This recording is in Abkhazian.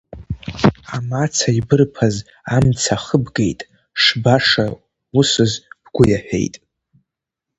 Амаца ибырԥаз амца ахыбгеит, шбаша усыз бгәы иаҳәеит.